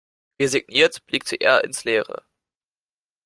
Resigniert blickte er ins Leere.